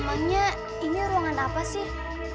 emangnya ini ruangan apa sih